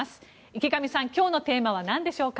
池上さん、今日のテーマは何でしょうか。